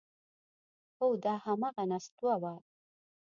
هو دا همغه نستوه و…